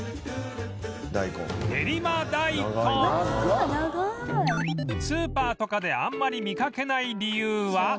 そしてスーパーとかであんまり見かけない理由は？